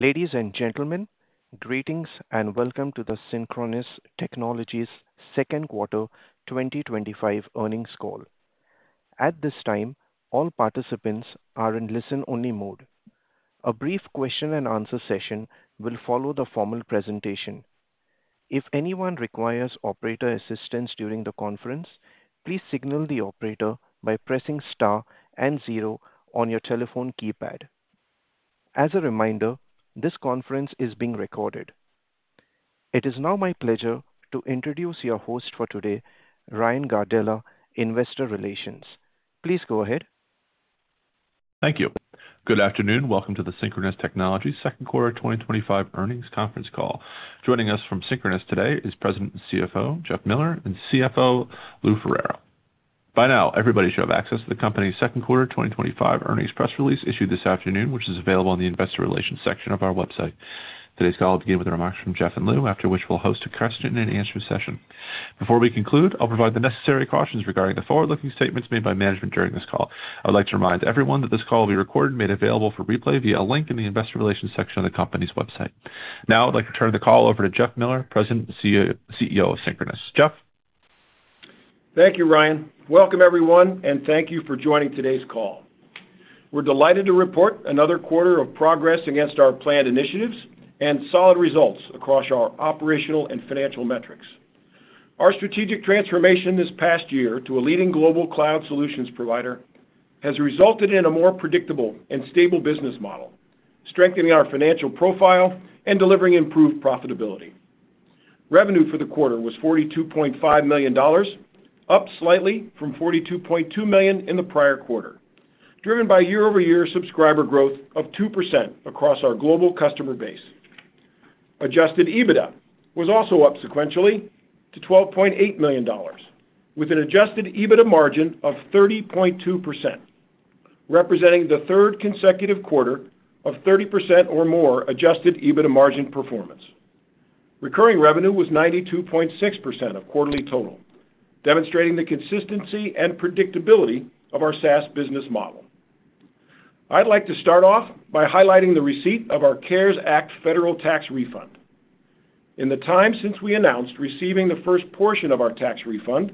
Ladies and gentlemen, greetings and welcome to the Synchronoss Technologies Second Quarter 2025 Earnings Call. At this time, all participants are in listen-only mode. A brief question-and-answer session will follow the formal presentation. If anyone requires operator assistance during the conference, please signal the operator by pressing star and zero on your telephone keypad. As a reminder, this conference is being recorded. It is now my pleasure to introduce your host for today, Ryan Gardella, Investor Relations. Please go ahead. Thank you. Good afternoon, welcome to the Synchronoss Technologies Second Quarter 2025 Earnings Conference Call. Joining us from Synchronoss today is President and CEO, Jeff Miller, and CFO, Lou Ferraro. By now, everybody should have access to the company's Second Quarter 2025 Earnings Press Release issued this afternoon, which is available in the Investor Relations section of our website. Today's call will begin with remarks from Jeff and Lou, after which we'll host a question-and-answer session. Before we conclude, I'll provide the necessary cautions regarding the forward-looking statements made by management during this call. I would like to remind everyone that this call will be recorded and made available for replay via a link in the Investor Relations section of the company's website. Now, I'd like to turn the call over to Jeff Miller, President and CEO of Synchronoss. Jeff? Thank you, Ryan. Welcome, everyone, and thank you for joining today's call. We're delighted to report another quarter of progress against our planned initiatives and solid results across our operational and financial metrics. Our strategic transformation this past year to a leading global cloud solutions provider has resulted in a more predictable and stable business model, strengthening our financial profile and delivering improved profitability. Revenue for the quarter was $42.5 million, up slightly from $42.2 million in the prior quarter, driven by year-over-year subscriber growth of 2% across our global customer base. Adjusted EBITDA was also up sequentially to $12.8 million, with an adjusted EBITDA margin of 30.2%, representing the third consecutive quarter of 30% or more adjusted EBITDA margin performance. Recurring revenue was 92.6% of quarterly total, demonstrating the consistency and predictability of our SaaS business model. I'd like to start off by highlighting the receipt of our CARES Act federal tax refund. In the time since we announced receiving the first portion of our tax refund,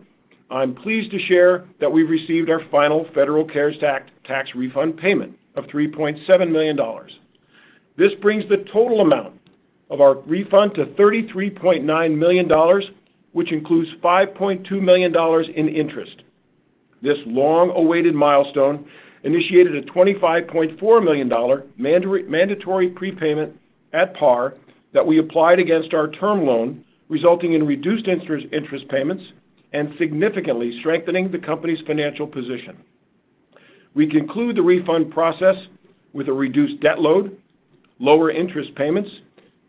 I'm pleased to share that we've received our final federal CARES Act tax refund payment of $3.7 million. This brings the total amount of our refund to $33.9 million, which includes $5.2 million in interest. This long-awaited milestone initiated a $25.4 million mandatory prepayment at par that we applied against our term loan, resulting in reduced interest payments and significantly strengthening the company's financial position. We conclude the refund process with a reduced debt load, lower interest payments,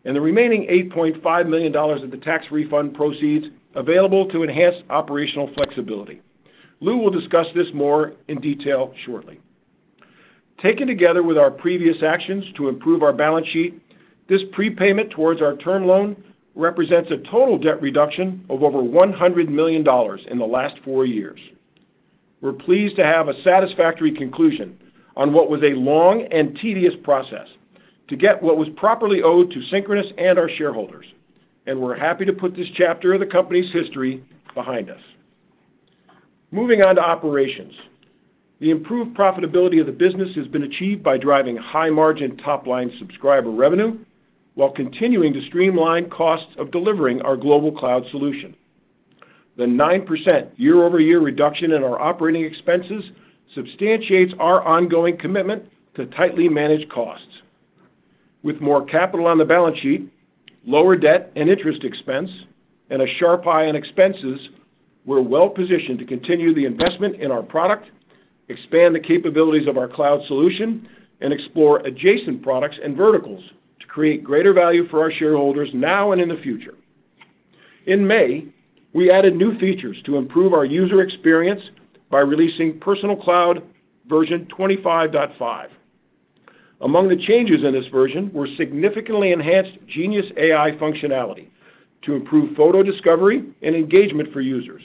and the remaining $8.5 million of the tax refund proceeds available to enhance operational flexibility. Lou will discuss this more in detail shortly. Taken together with our previous actions to improve our balance sheet, this prepayment towards our term loan represents a total debt reduction of over $100 million in the last four years. We're pleased to have a satisfactory conclusion on what was a long and tedious process to get what was properly owed to Synchronoss and our shareholders, and we're happy to put this chapter of the company's history behind us. Moving on to operations, the improved profitability of the business has been achieved by driving high-margin top-line subscriber revenue while continuing to streamline costs of delivering our global cloud solution. The 9% year-over-year reduction in our operating expenses substantiates our ongoing commitment to tightly managed costs. With more capital on the balance sheet, lower debt and interest expense, and a sharp eye on expenses, we're well-positioned to continue the investment in our product, expand the capabilities of our cloud solution, and explore adjacent products and verticals to create greater value for our shareholders now and in the future. In May, we added new features to improve our user experience by releasing Personal Cloud version 25.5. Among the changes in this version, we significantly enhanced Genius AI functionality to improve photo discovery and engagement for users.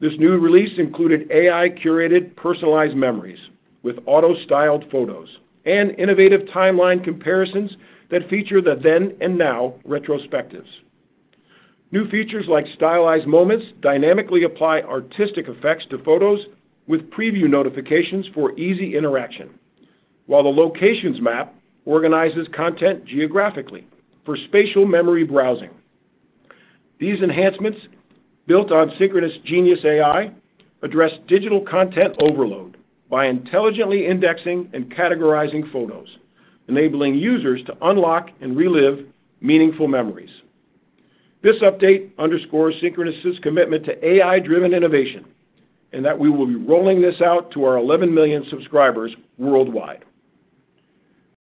This new release included AI-curated personalized memories with auto-styled photos and innovative timeline comparisons that feature the then-and-now retrospectives. New features like stylized moments dynamically apply artistic effects to photos with preview notifications for easy interaction, while the locations map organizes content geographically for spatial memory browsing. These enhancements, built on Synchronoss Genius AI, address digital content overload by intelligently indexing and categorizing photos, enabling users to unlock and relive meaningful memories. This update underscores Synchronoss's commitment to AI-driven innovation and that we will be rolling this out to our 11 million subscribers worldwide.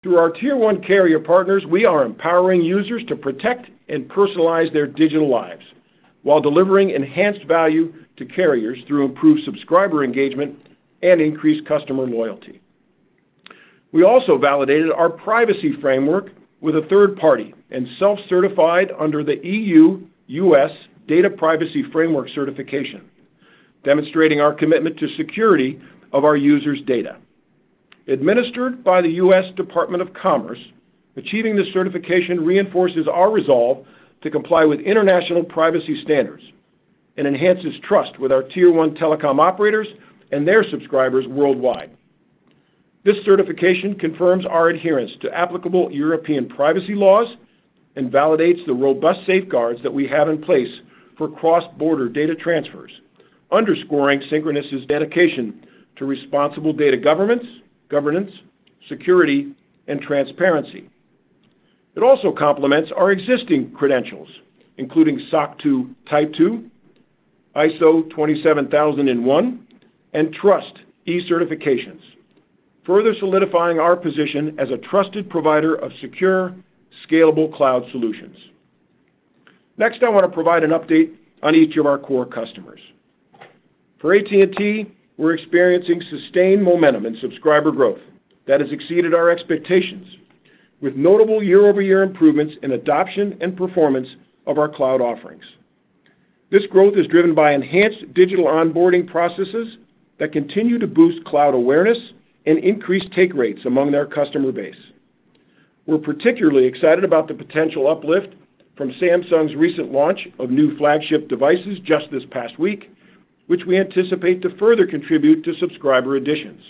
Through our Tier 1 carrier partners, we are empowering users to protect and personalize their digital lives while delivering enhanced value to carriers through improved subscriber engagement and increased customer loyalty. We also validated our privacy framework with a third-party and self-certified under the EU-U.S. Data Privacy Framework certification, demonstrating our commitment to security of our users' data. Administered by the U.S. Department of Commerce, achieving this certification reinforces our resolve to comply with international privacy standards and enhances trust with our Tier 1 telecom operators and their subscribers worldwide. This certification confirms our adherence to applicable European privacy laws and validates the robust safeguards that we have in place for cross-border data transfers, underscoring Synchronoss's dedication to responsible data governance, security, and transparency. It also complements our existing credentials, including SOC 2 Type II, ISO 27001, and TRUSTe certifications, further solidifying our position as a trusted provider of secure, scalable cloud solutions. Next, I want to provide an update on each of our core customers. For AT&T, we're experiencing sustained momentum in subscriber growth that has exceeded our expectations, with notable year-over-year improvements in adoption and performance of our cloud offerings. This growth is driven by enhanced digital onboarding processes that continue to boost cloud awareness and increase take rates among their customer base. We're particularly excited about the potential uplift from Samsung's recent launch of new flagship devices just this past week, which we anticipate to further contribute to subscriber additions.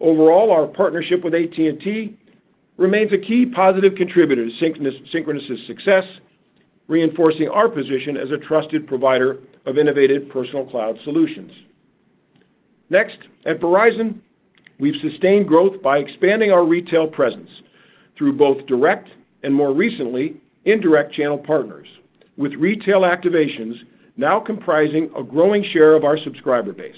Overall, our partnership with AT&T remains a key positive contributor to Synchronoss's success, reinforcing our position as a trusted provider of innovative Personal Cloud solutions. Next, at Verizon, we've sustained growth by expanding our retail presence through both direct and, more recently, indirect channel partners, with retail activations now comprising a growing share of our subscriber base.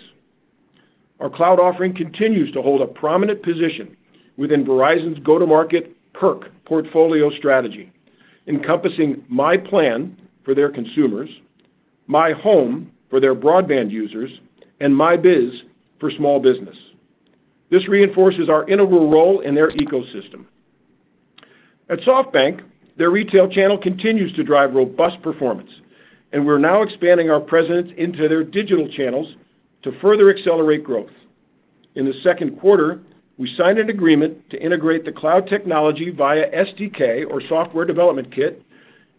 Our cloud offering continues to hold a prominent position within Verizon's go-to-market Perk portfolio strategy, encompassing myPlan for their consumers, myHome for their broadband users, and myBiz for small business. This reinforces our integral role in their ecosystem. At SoftBank, their retail channel continues to drive robust performance, and we're now expanding our presence into their digital channels to further accelerate growth. In the second quarter, we signed an agreement to integrate the cloud technology via SDK or Software Development Kit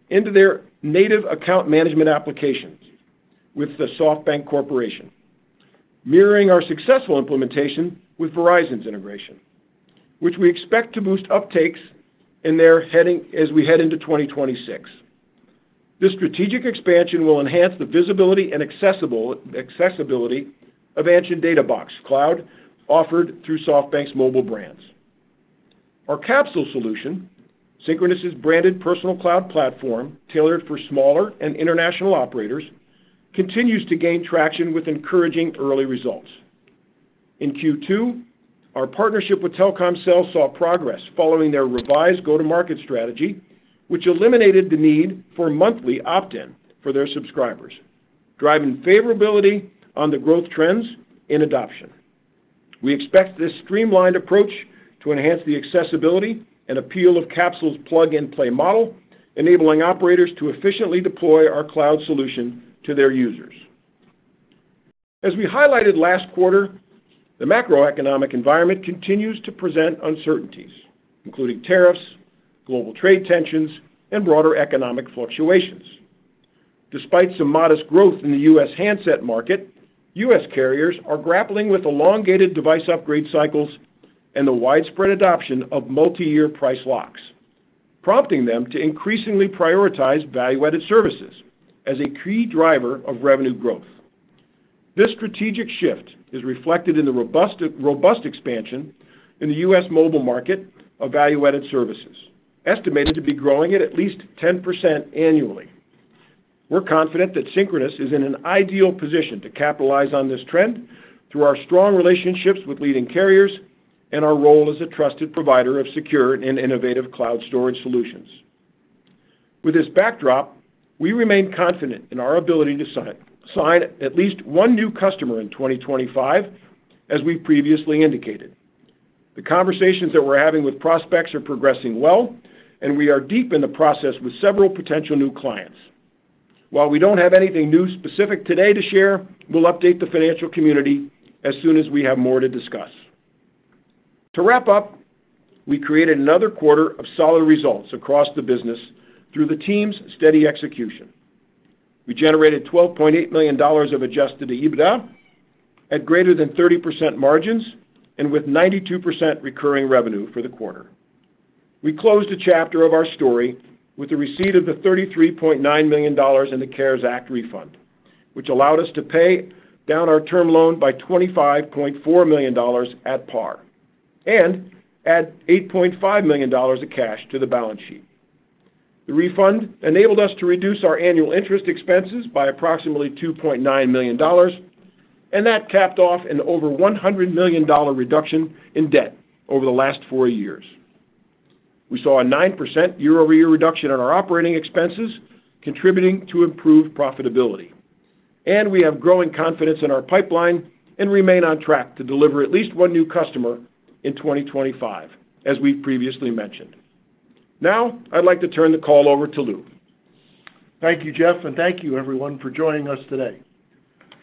into their native account management applications with the SoftBank Corporation, mirroring our successful implementation with Verizon's integration, which we expect to boost uptakes as we head into 2026. This strategic expansion will enhance the visibility and accessibility of Personal Cloud offered through SoftBank's mobile brands. Our Capsule solution, Synchronoss's branded Personal Cloud platform tailored for smaller and international operators, continues to gain traction with encouraging early results. In Q2, our partnership with Telkomsel saw progress following their revised go-to-market strategy, which eliminated the need for monthly opt-in for their subscribers, driving favorability on the growth trends in adoption. We expect this streamlined approach to enhance the accessibility and appeal of Capsule's plug-and-play model, enabling operators to efficiently deploy our cloud solution to their users. As we highlighted last quarter, the macroeconomic environment continues to present uncertainties, including tariffs, global trade tensions, and broader economic fluctuations. Despite some modest growth in the U.S. handset market, U.S. carriers are grappling with elongated device upgrade cycles and the widespread adoption of multi-year price locks, prompting them to increasingly prioritize value-added services as a key driver of revenue growth. This strategic shift is reflected in the robust expansion in the U.S. mobile market of value-added services, estimated to be growing at at least 10% annually. We're confident that Synchronoss is in an ideal position to capitalize on this trend through our strong relationships with leading carriers and our role as a trusted provider of secure and innovative cloud storage solutions. With this backdrop, we remain confident in our ability to sign at least one new customer in 2025, as we previously indicated. The conversations that we're having with prospects are progressing well, and we are deep in the process with several potential new clients. While we don't have anything new specific today to share, we'll update the financial community as soon as we have more to discuss. To wrap up, we created another quarter of solid results across the business through the team's steady execution. We generated $12.8 million of adjusted EBITDA at greater than 30% margins and with 92% recurring revenue for the quarter. We closed a chapter of our story with the receipt of the $33.9 million in the CARES Act refund, which allowed us to pay down our term loan by $25.4 million at par and add $8.5 million of cash to the balance sheet. The refund enabled us to reduce our annual interest expenses by approximately $2.9 million, and that capped off an over $100 million reduction in debt over the last four years. We saw a 9% year-over-year reduction in our operating expenses, contributing to improved profitability, and we have growing confidence in our pipeline and remain on track to deliver at least one new customer in 2025, as we've previously mentioned. Now, I'd like to turn the call over to Lou. Thank you, Jeff, and thank you, everyone, for joining us today.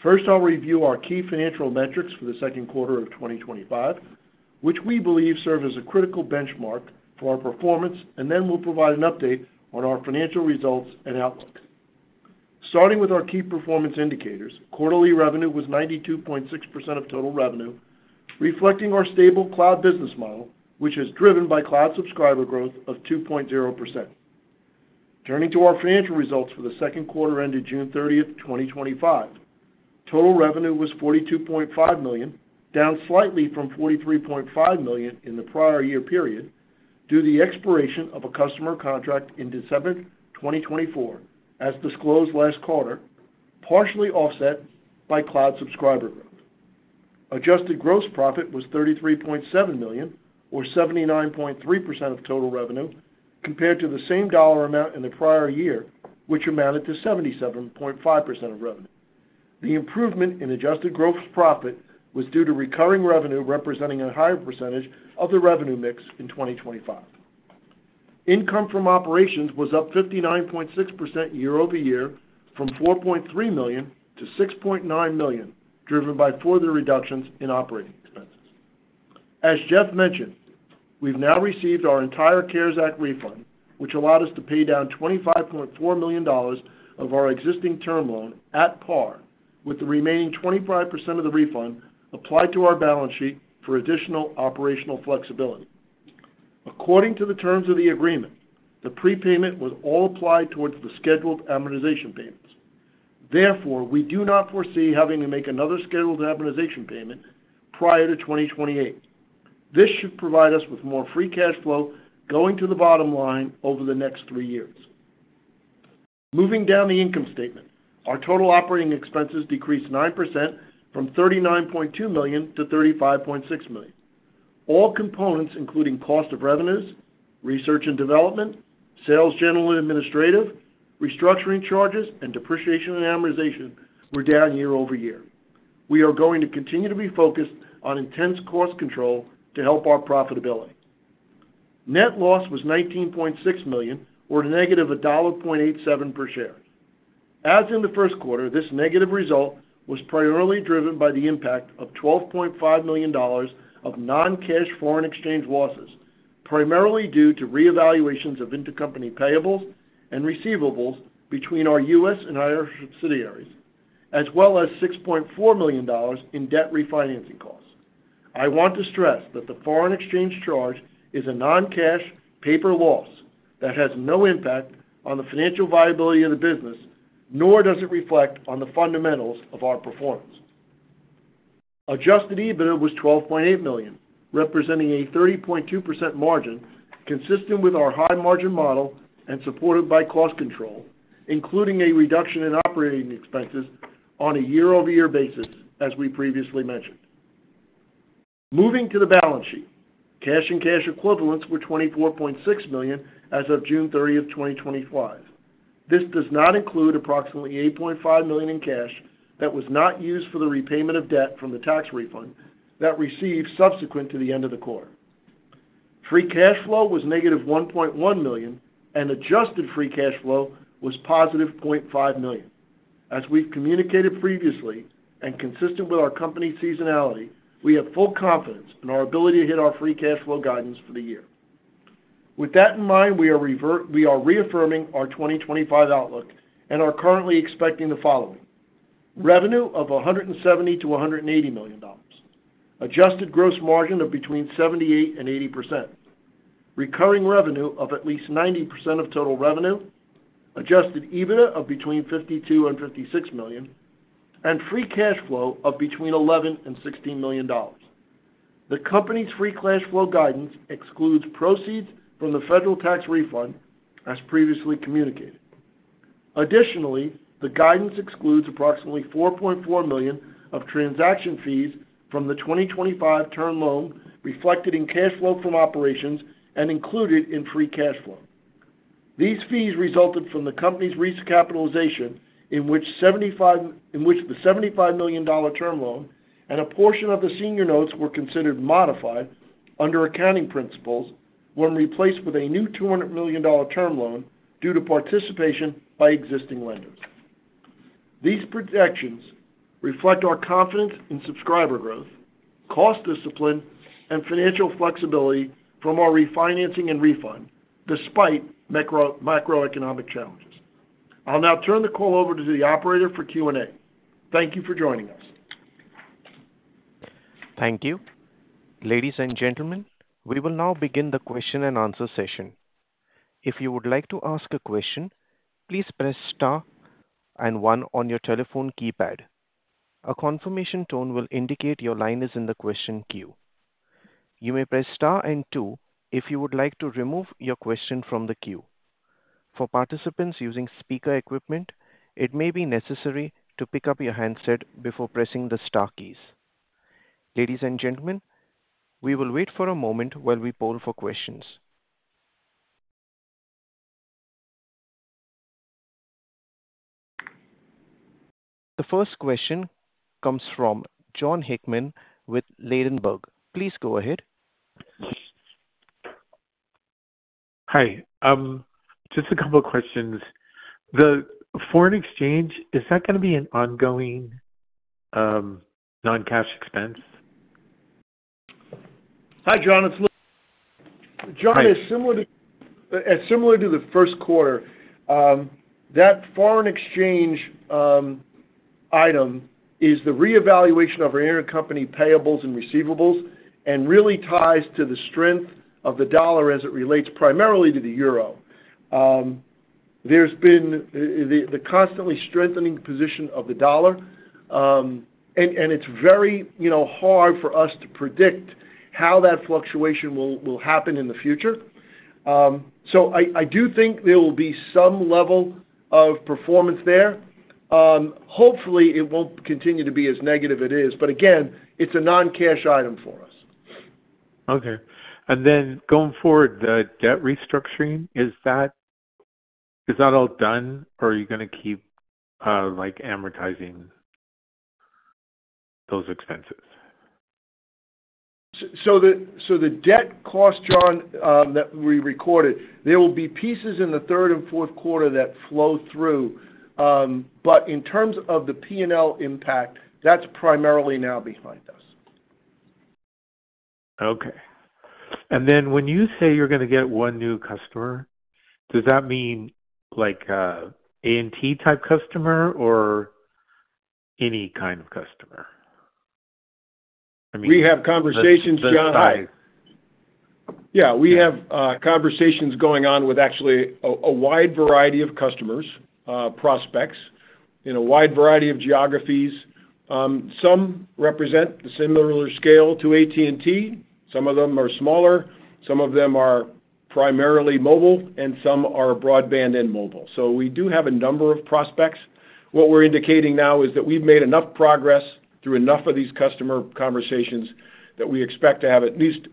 First, I'll review our key financial metrics for the second quarter of 2025, which we believe serve as a critical benchmark for our performance, and then we'll provide an update on our financial results and outlook. Starting with our key performance indicators, quarterly revenue was 92.6% of total revenue, reflecting our stable cloud business model, which is driven by cloud subscriber growth of 2.0%. Turning to our financial results for the second quarter ended June 30, 2025, total revenue was $42.5 million, down slightly from $43.5 million in the prior year period due to the expiration of a customer contract in December 2024, as disclosed last quarter, partially offset by cloud subscriber growth. Adjusted gross profit was $33.7 million, or 79.3% of total revenue, compared to the same dollar amount in the prior year, which amounted to 77.5% of revenue. The improvement in adjusted gross profit was due to recurring revenue representing a higher percentage of the revenue mix in 2025. Income from operations was up 59.6% year-over-year from $4.3 million-$6.9 million, driven by further reductions in operating expenses. As Jeff mentioned, we've now received our entire CARES Act refund, which allowed us to pay down $25.4 million of our existing term loan at par, with the remaining 25% of the refund applied to our balance sheet for additional operational flexibility. According to the terms of the agreement, the prepayment was all applied towards the scheduled amortization payments. Therefore, we do not foresee having to make another scheduled amortization payment prior to 2028. This should provide us with more free cash flow going to the bottom line over the next three years. Moving down the income statement, our total operating expenses decreased 9% from $39.2 million-$35.6 million. All components, including cost of revenues, research and development, sales, general and administrative, restructuring charges, and depreciation and amortization, were down year-over-year. We are going to continue to be focused on intense cost control to help our profitability. Net loss was $19.6 million, or a -$1.87 per share. As in the first quarter, this negative result was primarily driven by the impact of $12.5 million of non-cash foreign exchange losses, primarily due to reevaluations of intercompany payables and receivables between our U.S. and Irish subsidiaries, as well as $6.4 million in debt refinancing costs. I want to stress that the foreign exchange charge is a non-cash paper loss that has no impact on the financial viability of the business, nor does it reflect on the fundamentals of our performance. Adjusted EBITDA was $12.8 million, representing a 30.2% margin, consistent with our high-margin model and supported by cost control, including a reduction in operating expenses on a year-over-year basis, as we previously mentioned. Moving to the balance sheet, cash and cash equivalents were $24.6 million as of June 30, 2025. This does not include approximately $8.5 million in cash that was not used for the repayment of debt from the tax refund that received subsequent to the end of the quarter. Free cash flow was negative $1.1 million, and adjusted free cash flow was positive $0.5 million. As we've communicated previously and consistent with our company's seasonality, we have full confidence in our ability to hit our free cash flow guidance for the year. With that in mind, we are reaffirming our 2025 outlook and are currently expecting the following: revenue of $170 million-$180 million, adjusted gross margin of between 78% and 80%, recurring revenue of at least 90% of total revenue, adjusted EBITDA of between $52 and $56 million, and free cash flow of between $11 million and $16 million. The company's free cash flow guidance excludes proceeds from the federal tax refund, as previously communicated. Additionally, the guidance excludes approximately $4.4 million of transaction fees from the 2025 term loan reflected in cash flow from operations and included in free cash flow. These fees resulted from the company's recapitalization, in which the $75 million term loan and a portion of the senior notes were considered modified under accounting principles when replaced with a new $200 million term loan due to participation by existing lenders. These projections reflect our confidence in subscriber growth, cost discipline, and financial flexibility from our refinancing and refund, despite macroeconomic challenges. I'll now turn the call over to the operator for Q&A. Thank you for joining us. Thank you. Ladies and gentlemen, we will now begin the question-and-answer session. If you would like to ask a question, please press star and one on your telephone keypad. A confirmation tone will indicate your line is in the question queue. You may press star and two if you would like to remove your question from the queue. For participants using speaker equipment, it may be necessary to pick up your handset before pressing the star keys. Ladies and gentlemen, we will wait for a moment while we poll for questions. The first question comes from Jon Hickman with Ladenburg. Please go ahead. Hi. Just a couple of questions. The foreign exchange, is that going to be an ongoing non-cash expense? Hi, John. It's Lou. John, similar to the first quarter, that foreign exchange item is the reevaluation of our intercompany payables and receivables and really ties to the strength of the dollar as it relates primarily to the euro. There has been the constantly strengthening position of the dollar, and it's very hard for us to predict how that fluctuation will happen in the future. I do think there will be some level of performance there. Hopefully, it won't continue to be as negative as it is, but again, it's a non-cash item for us. Okay. Going forward, the debt restructuring, is that all done, or are you going to keep amortizing those expenses? The debt cost, John, that we recorded, there will be pieces in the third and fourth quarter that flow through. In terms of the P&L impact, that's primarily now behind us. Okay. When you say you're going to get one new customer, does that mean like an AT&T-type customer or any kind of customer? We have conversations, John. We have conversations going on with actually a wide variety of customers, prospects in a wide variety of geographies. Some represent the similar scale to AT&T. Some of them are smaller. Some of them are primarily mobile, and some are broadband and mobile. We do have a number of prospects. What we're indicating now is that we've made enough progress through enough of these customer conversations that we expect to have at least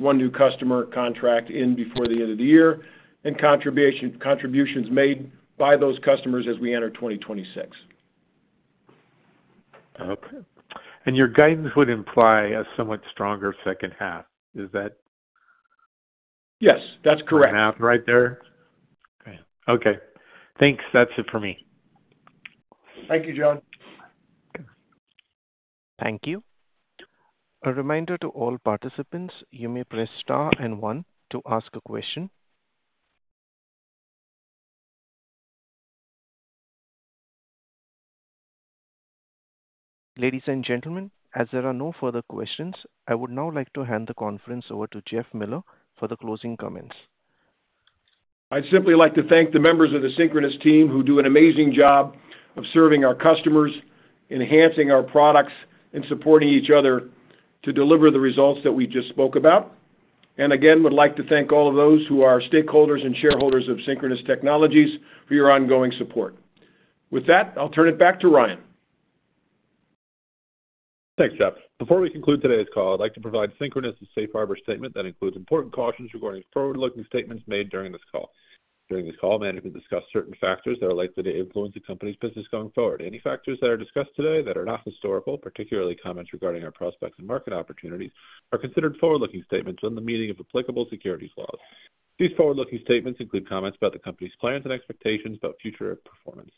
one new customer contract in before the end of the year and contributions made by those customers as we enter 2026. Okay. Your guidance would imply a somewhat stronger second half. Is that? Yes, that's correct. Second half right there. Okay. Okay. Thanks. That's it for me. Thank you, John. Thank you. A reminder to all participants, you may press star and one to ask a question. Ladies and gentlemen, as there are no further questions, I would now like to hand the conference over to Jeff Miller for the closing comments. I'd simply like to thank the members of the Synchronoss team who do an amazing job of serving our customers, enhancing our products, and supporting each other to deliver the results that we just spoke about. I would also like to thank all of those who are stakeholders and shareholders of Synchronoss Technologies for your ongoing support. With that, I'll turn it back to Ryan. Thanks, Jeff. Before we conclude today's call, I'd like to provide Synchronoss's safe harbor statement that includes important cautions regarding forward-looking statements made during this call. During this call, management discussed certain factors that are likely to influence the company's business going forward. Any factors that are discussed today that are not historical, particularly comments regarding our prospects and market opportunities, are considered forward-looking statements in the meaning of applicable securities laws. These forward-looking statements include comments about the company's plans and expectations about future performance.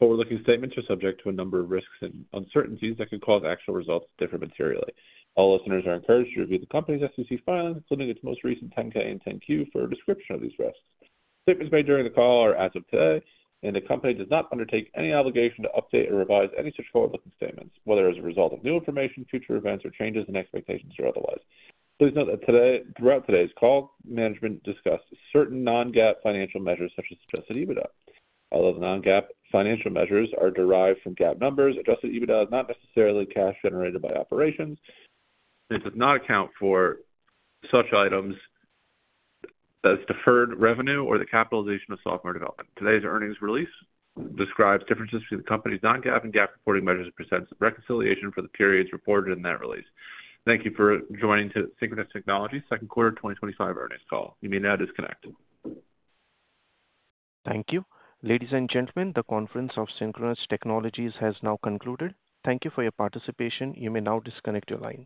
Forward-looking statements are subject to a number of risks and uncertainties that can cause actual results to differ materially. All listeners are encouraged to review the company's SEC filing, including its most recent 10-K and 10-Q, for a description of these risks. Statements made during the call are as of today, and the company does not undertake any obligation to update or revise any such forward-looking statements, whether as a result of new information, future events, or changes in expectations or otherwise. Please note that throughout today's call, management discussed certain non-GAAP financial measures such as adjusted EBITDA. Although the non-GAAP financial measures are derived from GAAP numbers, adjusted EBITDA is not necessarily cash generated by operations. It does not account for such items as deferred revenue or the capitalization of software development. Today's earnings release describes differences between the company's non-GAAP and GAAP reporting measures and presents reconciliation for the periods reported in that release. Thank you for joining Synchronoss Technologies' Second Quarter 2025 Earnings Call. You may now disconnect. Thank you. Ladies and gentlemen, the conference of Synchronoss Technologies has now concluded. Thank you for your participation. You may now disconnect your lines.